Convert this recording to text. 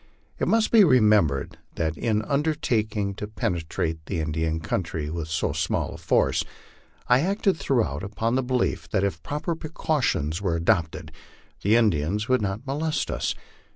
It must be remembered that in undertaking to penetrate the In dian country with so small a force, I acted throughout upon the belief that if proper precautions were adopted, the Indians would not molest us.